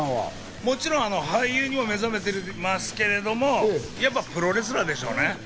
もちろん俳優にも目覚めてますけど、やっぱりプロレスラーでしょうね。